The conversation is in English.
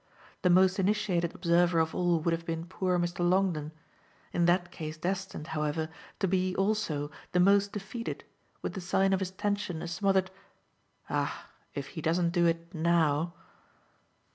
The most initiated observer of all would have been poor Mr. Longdon, in that case destined, however, to be also the most defeated, with the sign of his tension a smothered "Ah if he doesn't do it NOW!"